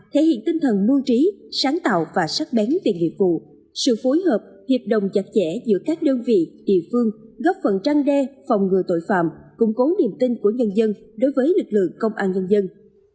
thể hiện tinh thần mưu trí sáng tạo và sát bén tiền nghị phụ sự phối hợp hiệp đồng chặt chẽ giữa các đơn vị địa phương góp phần trang đe phòng ngừa tội phạm cung cố niềm tin của nhân dân đối với lực lượng công an nhân dân